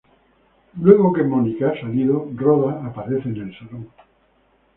Luego que Monica ha salido, Rhoda aparece en el salón.